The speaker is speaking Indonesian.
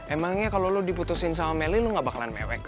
emangnya kalau lo diputusin sama melly lo gak bakalan mewek